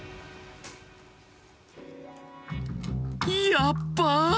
やっばあ！